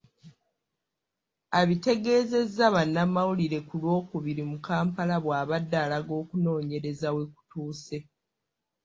Abitegeezezza bannamawulire ku Lwokubiri mu Kampala bw’abadde alaga okunoonyereza we kutuuse.